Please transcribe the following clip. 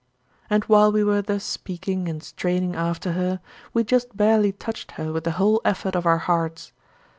And while we were thus speaking and straining after her, we just barely touched her with the whole effort of our hearts.